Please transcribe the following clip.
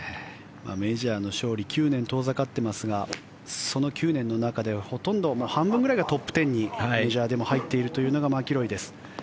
メジャーの勝利９年遠ざかっていますがその９年の中では半分ぐらいがトップ１０にメジャーでも入っているというのがマキロイです。